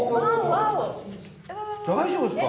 大丈夫ですか？